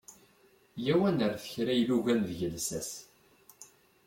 Yya-w ad nerret kra ilugan deg llsas.